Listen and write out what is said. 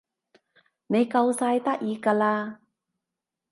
你夠晒得意㗎啦